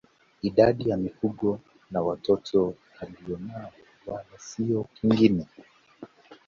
Idadi ya mifugo na watoto alionao wala sio kingine